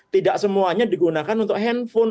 tidak semuanya digunakan untuk handphone